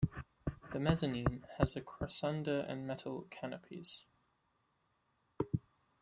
The mezzanine has a crossunder and metal canopies.